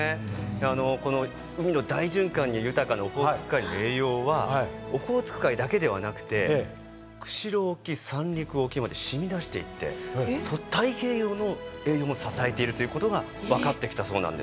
あのこの海の大循環に豊かなオホーツク海の栄養はオホーツク海だけではなくて釧路沖三陸沖までしみ出していって太平洋の栄養も支えているということが分かってきたそうなんです。